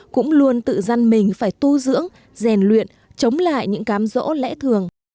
cũng luôn tự dân mình phải tu dưỡng rèn luyện chống lại những cám rỗ lẽ thường